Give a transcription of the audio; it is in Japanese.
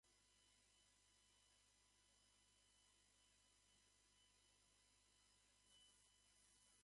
街の喧騒から離れ、静かな公園で一人の時間を楽しむのもいいものだ。ベンチに座り、本を読むか、ただ空を眺めながら深呼吸することで、日常のストレスがほどけていく。